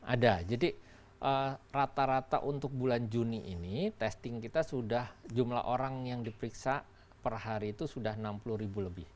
ada jadi rata rata untuk bulan juni ini testing kita sudah jumlah orang yang diperiksa per hari itu sudah enam puluh ribu lebih